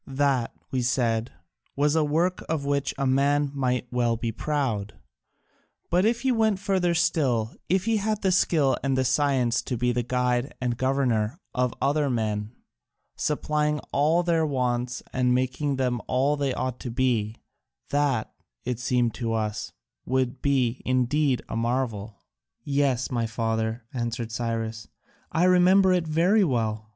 That, we said, was a work of which a man might well be proud; but if he went further still, if he had the skill and the science to be the guide and governor of other men, supplying all their wants and making them all they ought to be, that, it seemed to us, would be indeed a marvel." "Yes, my father," answered Cyrus, "I remember it very well.